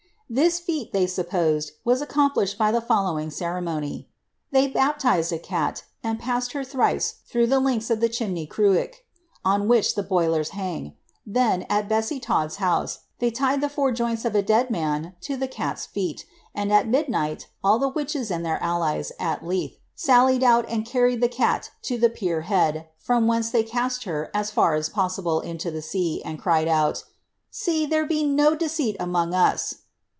"' This feat, they supposed, was accomplished by the following cere mony :—^^ They baptized a cat, and passed her thrice through the links of the chimney cruik, (on which the boilers hang,) then, at Bessie Todd's house, they tied the four joints of a dead man to the cat's feet, and at midnight all the witches and their allies, at Leith, sallied out and carried the cat to the pier head ; from thence they cast her as far as pos sible into the sea, and cried out, ^ See, there be no deceit among us.'